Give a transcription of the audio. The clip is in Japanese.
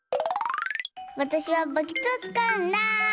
わたしはバケツをつかうんだ。